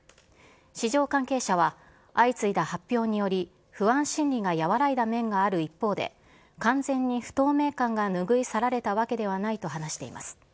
市場関係者は、相次いだ発表により、不安心理が和らいだ面がある一方で、完全に不透明感が拭い去られたわけではないと話しています。